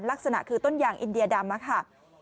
ลักษณะคือต้นยางอินเดียดำค่ะ